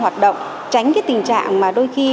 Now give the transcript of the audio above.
hoạt động tránh cái tình trạng mà đôi khi